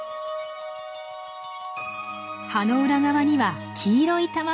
葉の裏側には黄色い卵。